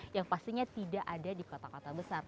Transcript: yang pastinya tidak ada di kota kota besar